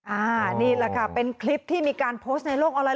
อันนี้แหละค่ะเป็นคลิปที่มีการโพสต์ในโลกออนไล